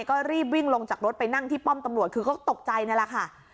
ก็รีบวิ่งลงจากรถไปนั่งที่ป้อมตำรวจคือก็ตกใจนั่นแหละค่ะ